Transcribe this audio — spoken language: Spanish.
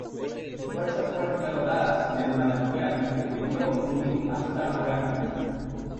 Sus fuerzas fueron derrotadas en El Manantial y debió huir hasta Orán.